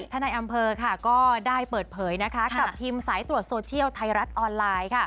ในอำเภอก็ได้เปิดเผยกับทีมสายตรวจโซเชียลไทยรัฐออนไลน์